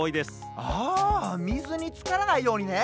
あみずにつからないようにね！